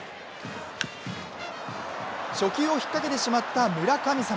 初球を引っ掛けてしまった村神様。